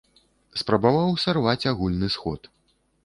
Спрабаваў сарваць агульны сход!